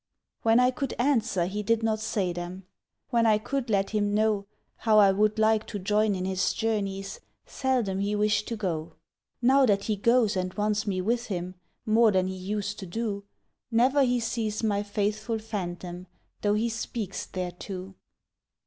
When I could answer he did not say them: When I could let him know How I would like to join in his journeys Seldom he wished to go. Now that he goes and wants me with him More than he used to do, Never he sees my faithful phantom Though he speaks thereto.